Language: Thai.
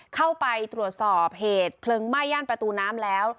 เข้าไปตรวจสอบเหตุเพลิงไหม้ย่านประตูน้ำแล้ว